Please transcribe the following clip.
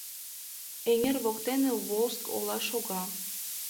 Эҥер воктене Волжск ола шога.